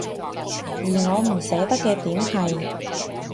而我唔捨得嘅點係